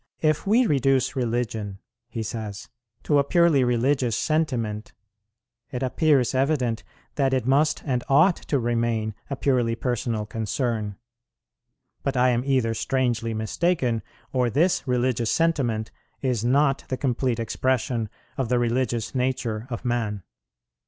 "If we reduce religion," he says, "to a purely religious sentiment ... it appears evident that it must and ought to remain a purely personal concern. But I am either strangely mistaken, or this religious sentiment is not the complete expression of the religious nature of man.